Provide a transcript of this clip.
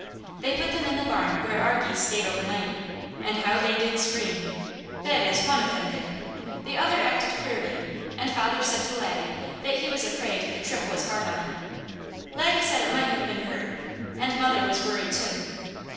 They put them in the barn where our geese stayed over night, and how they did scream. That is, one of them did; the other acted queerly and father said to Laddie that he was afraid the trip was hard on it. Laddie said it might have been hurt, and mother was worried too.